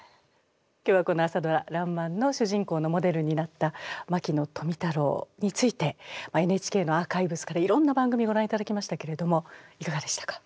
今日は朝ドラ「らんまん」の主人公のモデルになった牧野富太郎についてＮＨＫのアーカイブスからいろんな番組ご覧いただきましたけれどもいかがでしたか？